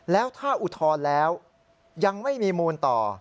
แล้วถ้าอุทธรณ์แล้วยังไม่มีมูลต่อ